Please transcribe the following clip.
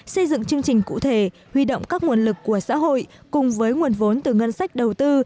xây dựng chương trình cụ thể huy động các nguồn lực của xã hội cùng với nguồn vốn từ ngân sách đầu tư